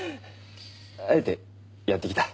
あえてやって来た。